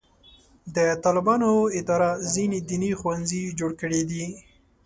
د طالبانو اداره ځینې دیني ښوونځي جوړ کړي دي.